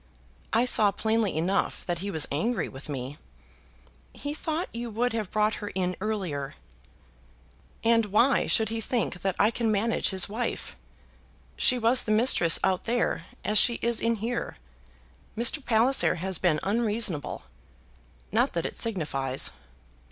"I saw plainly enough that he was angry with me." "He thought you would have brought her in earlier." "And why should he think that I can manage his wife? She was the mistress out there as she is in here. Mr. Palliser has been unreasonable. Not that it signifies."